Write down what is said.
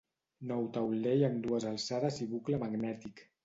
Nou taulell amb dues alçades i bucle magnètic.